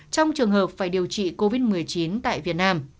trong trường hợp phải điều trị covid một mươi chín tại việt nam